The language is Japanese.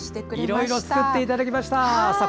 いろいろ作ってくださいました。